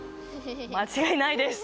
間違いないです。